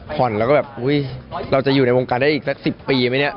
ผ่อนแล้วก็แบบอุ๊ยเราจะอยู่ในวงการได้อีกสัก๑๐ปีไหมเนี่ย